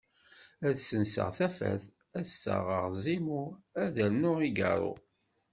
Ad ssenseɣ tafat, ad ssaɣeɣ Zimu ad rnuɣ igarru.